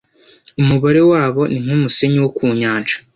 umubare wabo ni nk’umusenyi wo ku nyanja.